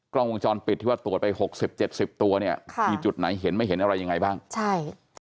กล้องวงจรปิดที่ว่าตรวจไปหกสิบเจ็ดสิบตัวเนี่ยค่ะมีจุดไหนเห็นไม่เห็นอะไรยังไงบ้างใช่